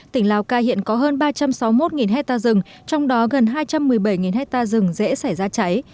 tỉnh lào cai hiện có hơn ba trăm sáu mươi một hectare rừng trong đó gần hai trăm một mươi bảy hectare rừng dễ xảy ra cháy